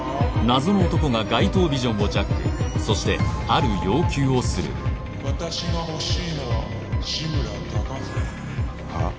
謎の男が街頭ビジョンをジャックそしてある要求をする私が欲しいのは志村貴文はあ？